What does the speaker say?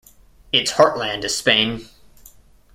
Its heartland is Spain.